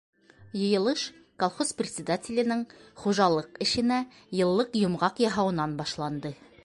Йыйылыш колхоз председателенең хужалыҡ эшенә йыллыҡ йомғаҡ яһауынан башланды.